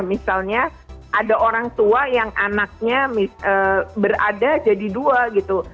misalnya ada orang tua yang anaknya berada jadi dua gitu